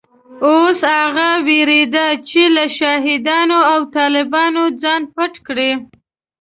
اوس هغه وېرېده چې له شهادیانو او طالبانو ځان پټ کړي.